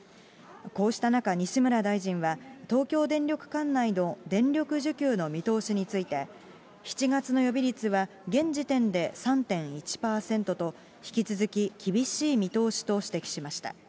こうした中、西村大臣は、東京電力管内の電力需給の見通しについて、７月の予備率は現時点で３．１％と、引き続き厳しい見通しと指摘しました。